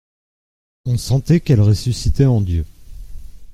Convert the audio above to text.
On sentait qu'elle ressuscitait en Dieu.